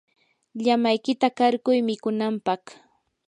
llamaykita qarquy mikunanpaq.